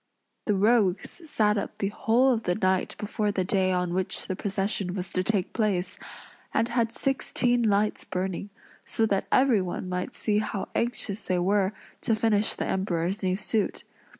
The rogues sat up the whole of the night before the day on which the procession was to take place, and had sixteen lights burning, so that everyone might see how anxious they were to finish the Emperor's new suit.